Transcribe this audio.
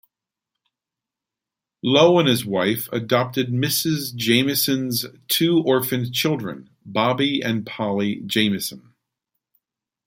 Lowe and his wife adopted Mrs. Jamieson's two orphaned children, Bobby and Polly Jamieson.